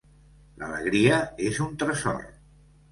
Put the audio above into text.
L'alegria és un tresor.